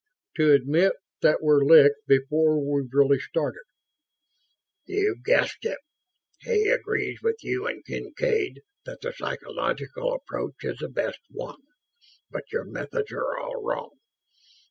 To admit that we're licked before we're really started?" "You guessed it. He agrees with you and Kincaid that the psychological approach is the best one, but your methods are all wrong.